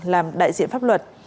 làm đại diện pháp luật